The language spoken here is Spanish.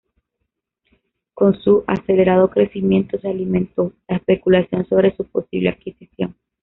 Con su acelerado crecimiento, se alimentó la especulación sobre su posible adquisición.